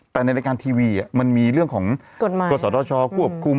แต่ในรายการทีวีอ่ะมันมีเรื่องของกฎสอดรอชอควบคุม